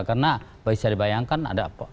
karena bisa dibayangkan ada aparat kita